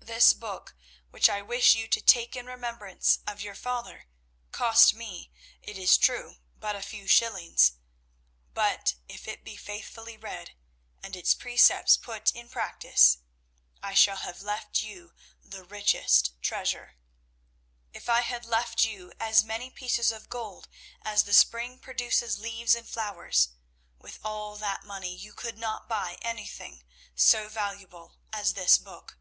This book, which I wish you to take in remembrance of your father, cost me, it is true, but a few shillings, but if it be faithfully read and its precepts put in practice, I shall have left you the richest treasure. If I had left you as many pieces of gold as the spring produces leaves and flowers, with all that money you could not buy anything so valuable as this book.